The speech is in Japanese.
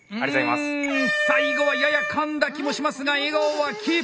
うん最後はやや噛んだ気もしますが笑顔はキープ！